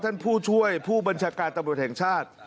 ท่านผู้ช่วยผู้บัญชาการตำรวจแห่งชาติ